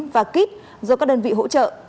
và kít do các đơn vị hỗ trợ